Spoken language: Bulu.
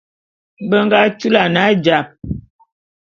Be nga tulan ajap.